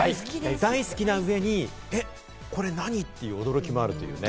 大好きなうえに、これ何？という驚きもあるという。